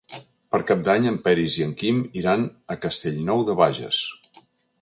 Per Cap d'Any en Peris i en Quim iran a Castellnou de Bages.